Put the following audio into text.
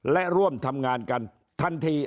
และร่วมทำงานกันทันที